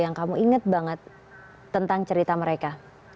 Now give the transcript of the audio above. yang kamu inget banget tentang cerita mereka